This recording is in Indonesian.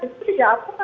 itu tidak apa apa